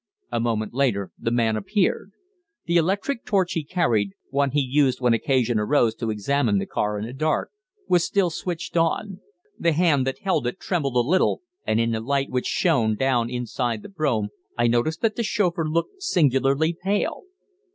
A moment later the man appeared. The electric torch he carried one he used when occasion arose to examine the car in the dark was still switched on. The hand that held it trembled a little, and in the light which shone down inside the brougham I noticed that the chauffeur looked singularly pale.